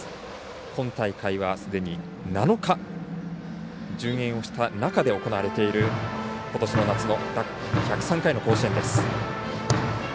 今大会は、すでに７日順延をした中で行われている、ことしの夏の１０３回の甲子園です。